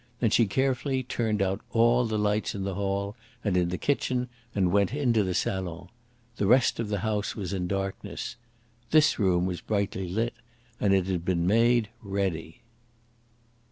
Then she carefully turned out all the lights in the hall and in the kitchen and went into the salon. The rest of the house was in darkness. This room was brightly lit; and it had been made ready.